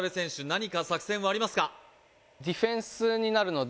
何か作戦はありますか？